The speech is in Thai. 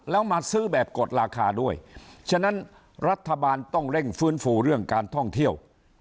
แล้วมาซื้อแบบกดราคาด้วยฉะนั้นรัฐบาลต้องเร่งฟื้นฟูเรื่องการท่องเที่ยว